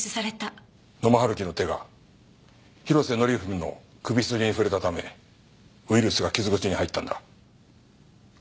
野間春樹の手が広瀬則文の首筋に触れたためウイルスが傷口に入ったんだ。